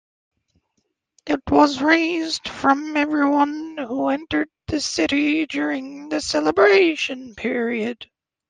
It was raised from everyone who entered the city during the celebration period.